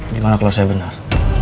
gimana kalau saya benar